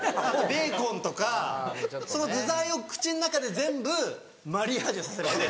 ベーコンとかその具材を口の中で全部マリアージュさせる。